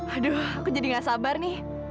aduh aku jadi gak sabar nih